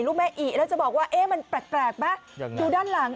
ลูกแม่อีแล้วจะบอกว่าเอ๊ะมันแปลกแปลกปะอย่างนั้นด้านหลัง